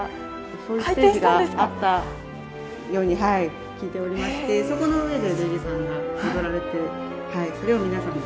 そういうステージがあったように聞いておりましてそこの上で芸妓さんが踊られてそれを皆さん。